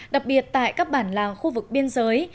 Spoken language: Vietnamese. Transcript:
đặc biệt tại các bản làng khu vực biên giới